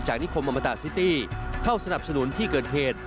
นิคมอมตาซิตี้เข้าสนับสนุนที่เกิดเหตุ